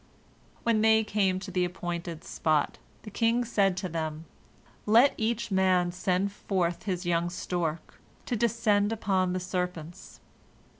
When they came to the appointed spot, the king said to them, "Let each man send forth his young stork, to descend upon the serpents."